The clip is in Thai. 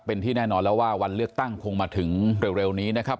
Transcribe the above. เป็นที่แน่นอนแล้วว่าวันเลือกตั้งคงมาถึงเร็วนี้นะครับ